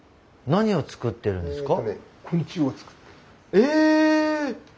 何でできてるんですか？